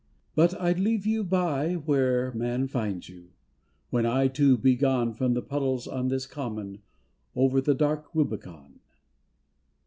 But I leave you by where no man Finds you, when I too be gone From the puddles on this common Over the dark Rubicon.